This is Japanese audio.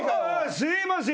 すいません。